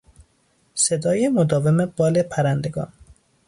صدای مداوم بال پرندگان